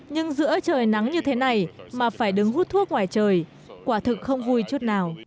nhưng giữa trời nắng như thế này mà phải đứng hút thuốc ngoài trời quả thực không vui chút nào